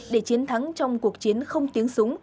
để chiến thắng trong cuộc chiến không tiếng súng